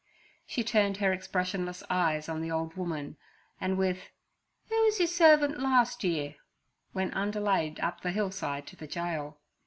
She turned her expressionless eyes on the old woman, and with, 'Oo was yer servant larst year?' went undelayed up the hillside to the gaol.